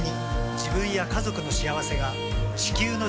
自分や家族の幸せが地球の幸せにつながっている。